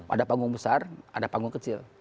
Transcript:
ada panggung besar ada panggung kecil